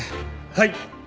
はい！